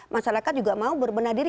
masyarakat juga mau berbenah diri